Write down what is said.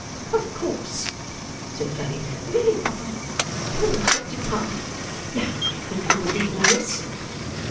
'Of course,' said Fanny. 'Very proper. Poor, afflicted Pa! Now, I hope you believe me, Miss?